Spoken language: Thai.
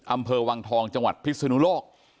อำเภอวังทองจังหวัดพิศนุโลก